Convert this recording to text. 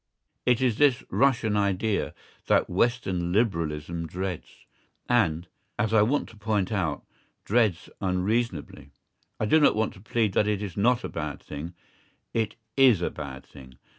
It is this "Russian idea" that Western Liberalism dreads, and, as I want to point out, dreads unreasonably. I do not want to plead that it is not a bad thing; it is a bad thing.